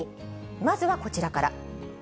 まずはこちらから。